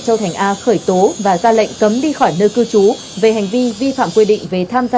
châu thành a khởi tố và ra lệnh cấm đi khỏi nơi cư trú về hành vi vi phạm quy định về tham